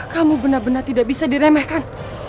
kamu benar benar tidak bisa diremehkan